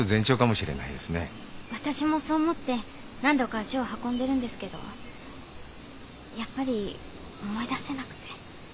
私もそう思って何度か足を運んでるんですけどやっぱり思い出せなくて。